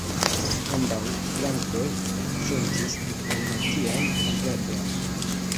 Ambaŭ flankoj akcentis diplomatian agadon.